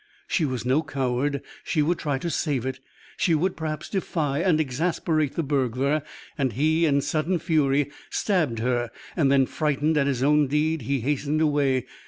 She was no coward; she would try to save it; she would, perhaps, defy and exasperate the burglar, and he, in sudden fury, stabbed her; then, frightened at his own deed, he hastened away.